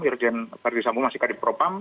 irjen ferry sambo masih kadipropam